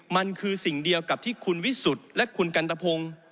มันคือสิ่งเดียวกับที่คุณวิสุทธิ์และคุณกันตะพงศ์